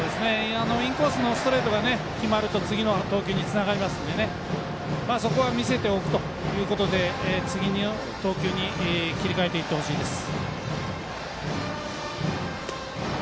インコースのストレートが決まると次の投球につながりますのでそこは見せておくということで次の投球に切り替えていってほしいです。